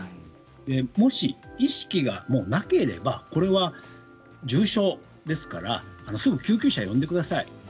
もし意識がもうなければこれは重症ですからすぐ救急車を呼んでください。